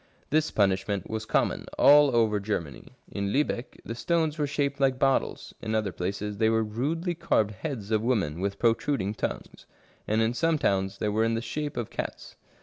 This punishment was common all over Germany. In Liibeck the stones were shaped like bottles, in other places they were rudely carved heads of women with protruding tongues ; and in some towns they were in the shape of cats.